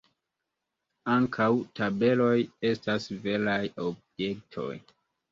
Ankaŭ tabeloj estas veraj objektoj.